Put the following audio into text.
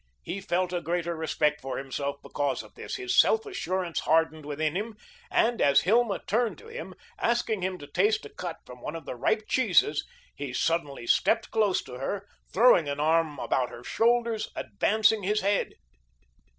He felt a greater respect for himself because of this. His self assurance hardened within him, and as Hilma turned to him, asking him to taste a cut from one of the ripe cheeses, he suddenly stepped close to her, throwing an arm about her shoulders, advancing his head.